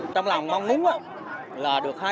trong lòng mong muốn là được hai